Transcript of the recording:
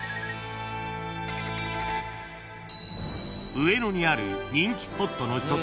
［上野にある人気スポットの一つ］